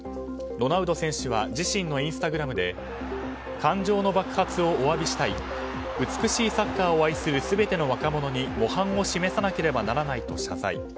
ロナウド選手は自身のインスタグラムで感情の爆発をお詫びしたい美しいサッカーを愛する全ての若者に模範を示さなければならないと謝罪。